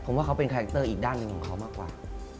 ผมว่าเขาเป็นคาแคคเตอร์อีกด้านหนึ่งของเขามากกว่า